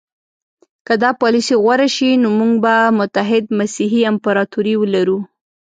که دا پالیسي غوره شي نو موږ به متحده مسیحي امپراطوري لرو.